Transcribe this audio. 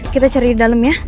kita cari di dalam ya